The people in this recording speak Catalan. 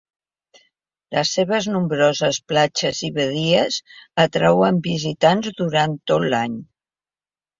Les seves nombroses platges i badies atrauen visitants durant tot l'any.